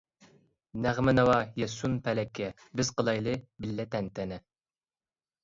نەغمە ناۋا يەتسۇن پەلەككە، بىز قىلايلى بىللە تەنتەنە.